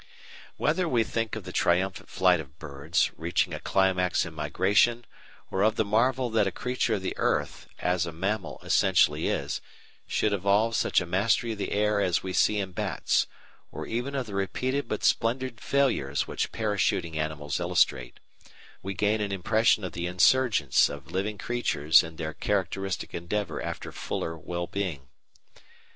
Whether we think of the triumphant flight of birds, reaching a climax in migration, or of the marvel that a creature of the earth as a mammal essentially is should evolve such a mastery of the air as we see in bats, or even of the repeated but splendid failures which parachuting animals illustrate, we gain an impression of the insurgence of living creatures in their characteristic endeavour after fuller well being.